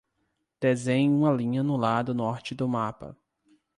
Desenhe uma linha no lado norte do mapa.